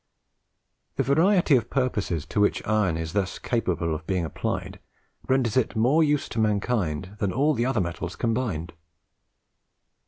The variety of purposes to which iron is thus capable of being applied, renders it of more use to mankind than all the other metals combined.